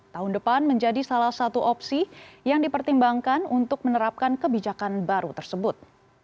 tahun depan menjadi salah satu opsi yang dipertimbangkan untuk menerapkan kebijakan baru tersebut